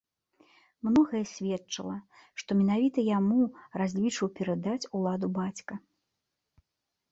Многае сведчыла, што менавіта яму разлічваў перадаць уладу бацька.